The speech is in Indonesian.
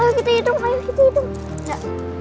kita dapat ulangnya